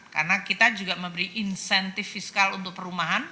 karena kita juga memberi insentif fiskal untuk perumahan